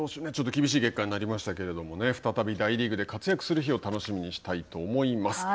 厳しい結果になりましたけれども再び大リーグで活躍する日を楽しみにしたいと思います。